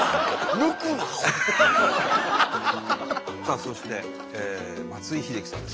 さあそして松井秀喜さんです。